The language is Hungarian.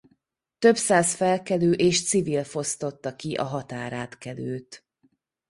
Több száz felkelő és civil fosztotta ki a határátkelőt.